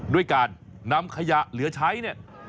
ด้วยการนำขยะเหลือใช้เนี่ย